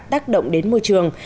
tác động đến môi trường